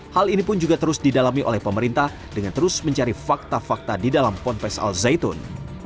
hal ini pun juga terus didalami oleh pemerintah dengan terus mencari fakta fakta di dalam ponpes al zaitun